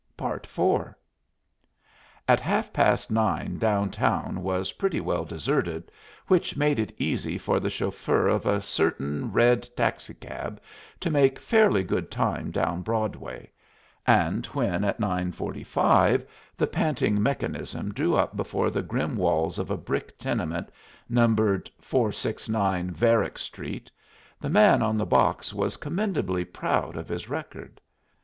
IV At half past nine down town was pretty well deserted, which made it easy for the chauffeur of a certain red taxi cab to make fairly good time down Broadway; and when at nine forty five the panting mechanism drew up before the grim walls of a brick tenement, numbered 469 Varick Street, the man on the box was commendably proud of his record.